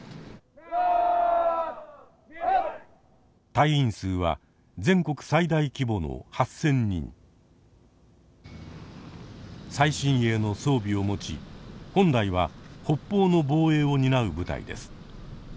隊員数は全国最大規模の最新鋭の装備を持ち本来は北方の防衛を担う部隊です。